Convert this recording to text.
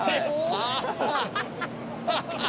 ハハハハ！